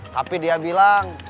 tapi dia bilang